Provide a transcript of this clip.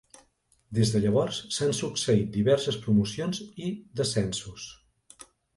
Des de llavors s'han succeït diverses promocions i descensos.